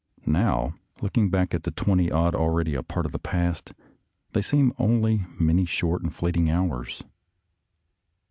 Now, looking back at the twenty odd already a part of the past, they seem only so many short and fleeting hours.